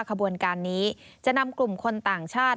ขบวนการนี้จะนำกลุ่มคนต่างชาติ